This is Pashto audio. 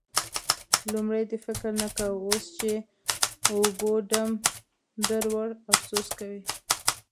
لومړی دې فکر نه کاوو؛ اوس چې اوبو ډم در وړ، افسوس کوې.